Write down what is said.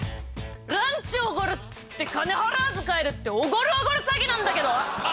ランチおごるっつって金払わず帰るっておごるおごる詐欺なんだけど！